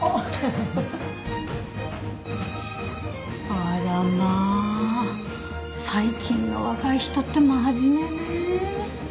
あらまあ最近の若い人って真面目ね。